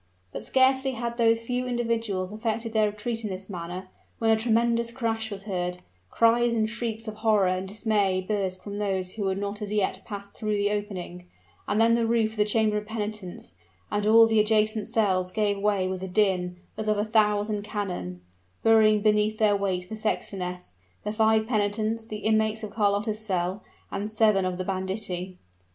But scarcely had those few individuals effected their retreat in this manner, when a tremendous crash was heard, cries and shrieks of horror and dismay burst from those who had not as yet passed through the opening, and then the roof of the chamber of penitence and all the adjacent cells gave way with a din as of a thousand cannon, burying beneath their weight the sextoness, the five penitents, the inmates of Carlotta's cell, and seven of the banditti.